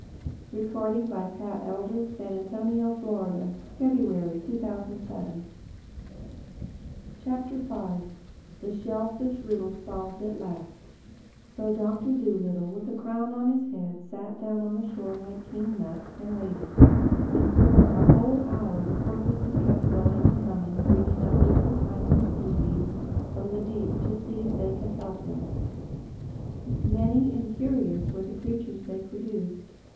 "Well, if you wait here," said the porpoises, "we'll see what can be done." THE FIFTH CHAPTER THE SHELLFISH RIDDLE SOLVED AT LAST SO Doctor Dolittle with a crown on his head sat down upon the shore like King Knut, and waited. And for a whole hour the porpoises kept going and coming, bringing up different kinds of sea beasts from the deep to see if they could help him. Many and curious were the creatures they produced.